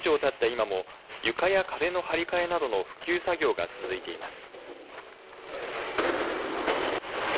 今も床や壁の張り替えなどの復旧作業が続いています。